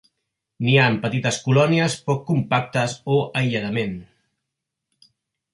Nia en petites colònies poc compactes o aïlladament.